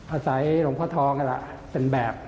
อาศัยหลวงพ่อท้องก็ล่ะเป็นแบบ